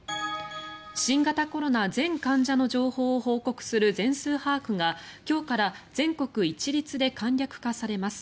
新型コロナ全患者の数を報告する今日から全国一律で簡略化されます。